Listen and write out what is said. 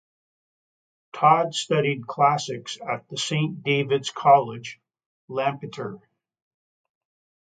Todd studied classics at the Saint David's College, Lampeter.